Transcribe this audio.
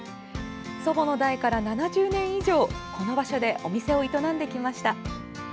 祖母の代から７０年以上この場所でお店を営んできました。